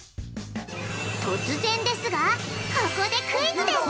突然ですがここでクイズです！